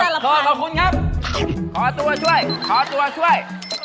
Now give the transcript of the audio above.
ขอตัวช่วยขอตัวช่วย